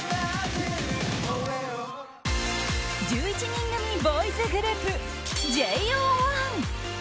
１１人組ボーイズグループＪＯ１。